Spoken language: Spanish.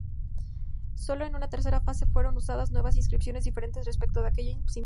Sólo en una tercera fase fueron usadas nuevas inscripciones, diferentes respecto de aquellas imperiales.